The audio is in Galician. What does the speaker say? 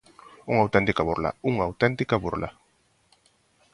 Unha auténtica burla, ¡unha auténtica burla!